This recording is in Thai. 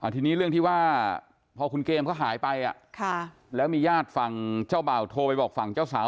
ทีนี้เรื่องที่ว่าพอคุณเกมเขาหายไปแล้วมีญาติฝั่งเจ้าบ่าวโทรไปบอกฝั่งเจ้าสาว